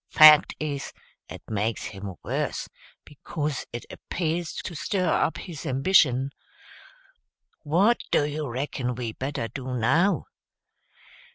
Fact is, it makes him worse, becuz it appears to stir up his ambition. What do you reckon we better do, now?"